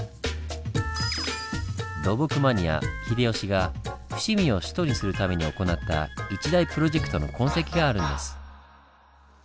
土木マニア・秀吉が伏見を首都にするために行った一大プロジェクトの痕跡があるんです。